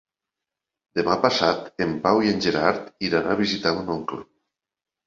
Demà passat en Pau i en Gerard iran a visitar mon oncle.